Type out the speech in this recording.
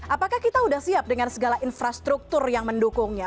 apakah kita sudah siap dengan segala infrastruktur yang mendukungnya